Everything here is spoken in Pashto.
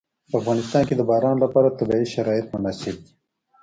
په افغانستان کې د باران لپاره طبیعي شرایط مناسب دي.